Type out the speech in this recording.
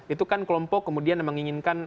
itu kan kelompok kemudian yang menginginkan